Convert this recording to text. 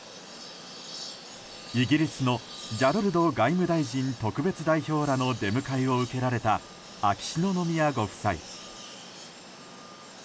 イギリスのジャロルド外務大臣特別代表らの出迎えを受けられた秋篠宮ご夫妻。